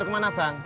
pantar kemana bang